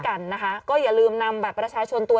กล้องกว้างอย่างเดียว